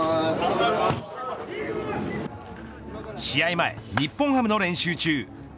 試合前、日本ハムの練習中